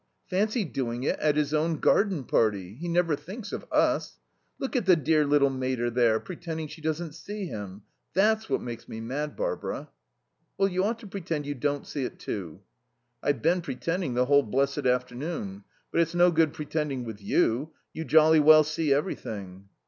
Fancy doing it at his own garden party. He never thinks of us. Look at the dear little mater, there, pretending she doesn't see him. That's what makes me mad, Barbara." "Well, you ought to pretend you don't see it, too." "I've been pretending the whole blessed afternoon. But it's no good pretending with you. You jolly well see everything."